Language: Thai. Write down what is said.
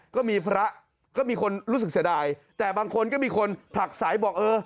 ก็มีพระก็มีคนรู้สึกเสียดายแต่บางคนก็มีคนผลักสายบอกเออ